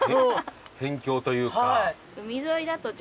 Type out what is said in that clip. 辺境というか。